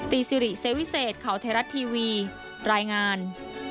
ตีซิริเซวิเซตเขาเทรัสทีวีรายงาน